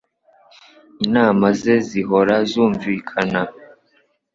Inama ze zihora zumvikana.